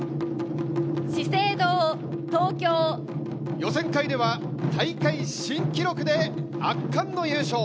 予選会では大会新記録で圧巻の優勝。